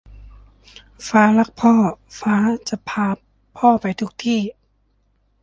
ฟ้ารักพ่อ ฟ้าจะพาพ่อไปทุกที่